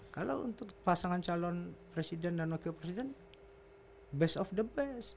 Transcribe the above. kalau untuk pasangan calon presiden dan wakil presiden best of the best